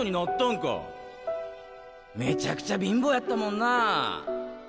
めちゃくちゃ貧乏やったもんなあ。